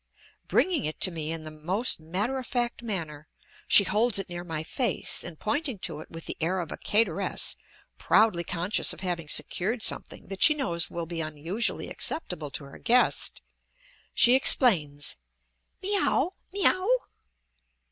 Bringing it to me in the most matter of fact manner, she holds it near my face and, pointing to it with the air of a cateress proudly conscious of having secured something that she knows will be unusually acceptable to her guest, she explains "me aow, me aow!"